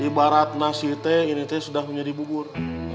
ibarat nasi ite ini teh sudah menjadi bubur